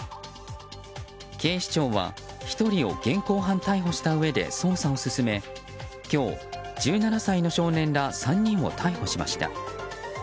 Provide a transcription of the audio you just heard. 警視庁は１人を現行犯逮捕したうえで捜査を進め今日、１７歳の少年ら３人を逮捕しました。